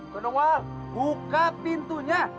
gondongwal buka pintunya